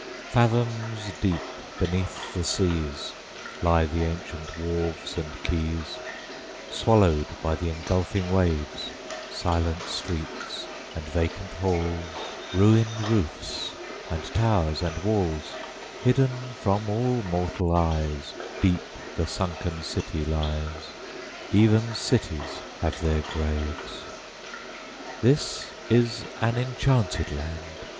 Fathoms deep beneath the seas Lie the ancient wharves and quays, Swallowed by the engulfing waves; Silent streets and vacant halls, Ruined roofs and towers and walls; Hidden from all mortal eyes Deep the sunken city lies: Even cities have their graves! This is an enchanted land!